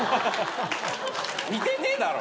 似てねえだろ。